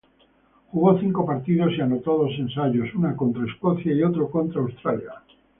Jugó cinco partidos y anotó dos ensayos, uno contra Escocia y otro contra Australia.